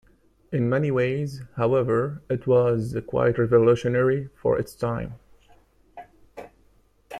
In many ways, however, it was quite revolutionary for its time.